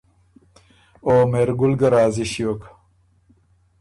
او مهرګل ګۀ راضي ݭیوک